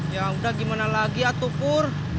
ya udah gimana lagi atu pur